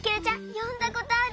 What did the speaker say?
よんだことある？